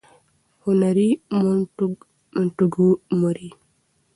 - هنري مونټګومري :